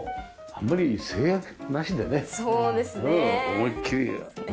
思いっきり。